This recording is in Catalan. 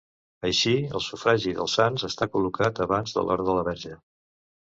Així, el sufragi dels sants està col·locat abans de l'hora de la verge.